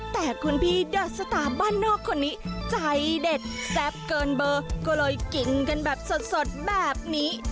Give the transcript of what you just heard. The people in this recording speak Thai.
แต่คุณพี่เดอร์สตาร์บ้านนอกคนนี้ใจเด็ดแซ่บเกินเบอร์ก็เลยกินกันแบบสดแบบนี้